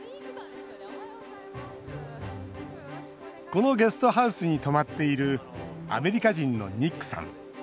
このゲストハウスに泊まっているアメリカ人のニックさん。